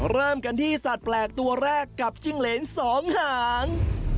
เริ่มกันที่สัตว์แปลกตัวแรกกับจิ้งเหรนสองหาง